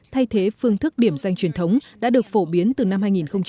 thay thế phương thức điểm danh truyền thống đã được phổ biến từ năm hai nghìn một mươi